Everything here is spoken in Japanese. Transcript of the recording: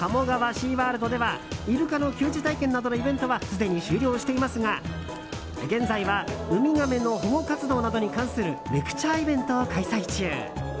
シーワールドではイルカの給餌体験などのイベントはすでに終了していますが現在はウミガメの保護活動などに関するレクチャーイベントを開催中。